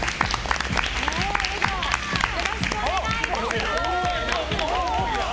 よろしくお願いします。